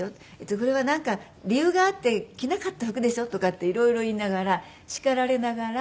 これはなんか理由があって着なかった服でしょ？」とかって色々言いながら叱られながら。